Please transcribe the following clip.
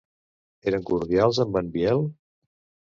Eren cordials amb en Biel?